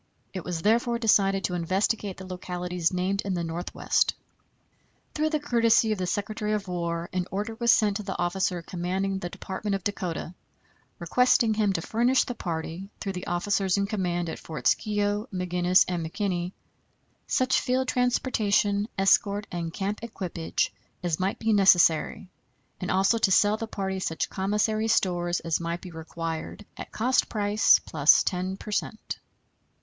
It was therefore decided to investigate the localities named in the Northwest. Through the courtesy of the Secretary of War, an order was sent to the officer commanding the Department of Dakota, requesting him to furnish the party, through the officers in command at Forts Keogh, Maginnis, and McKinney, such field transportation, escort, and camp equipage as might be necessary, and also to sell to the party such commissary stores as might be required, at cost price, plus 10 per cent.